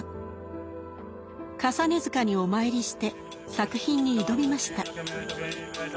累塚にお参りして作品に挑みました。